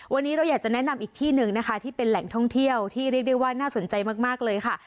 วันนี้เราอยากจะแนะนำอีกที่หนึ่งนะคะที่เป็นแหล่งท่องเที่ยวที่เรียกได้ว่าน่าสนใจมากเลยค่ะ